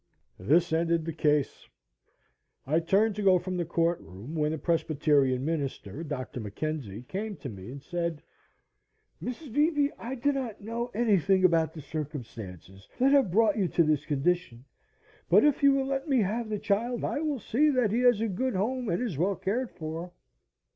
This ended the case. I turned to go from the courtroom when the Presbyterian minister, Dr. McKenzie, came to me and said: "Mrs. Beebe, I do not know anything about the circumstances that have brought you to this condition, but if you will let me have the child I will see that he has a good home and is well cared for."